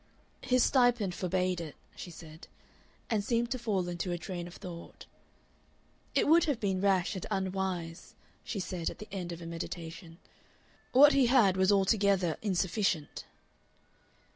"His stipend forbade it," she said, and seemed to fall into a train of thought. "It would have been rash and unwise," she said at the end of a meditation. "What he had was altogether insufficient."